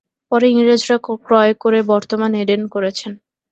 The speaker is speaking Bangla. পরে ইংরেজরা ক্রয় করে বর্তমান এডেন করেছেন।